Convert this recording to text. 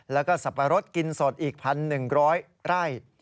แล้วก็สับปะรดกินสดอีก๑๑๐๐ไร่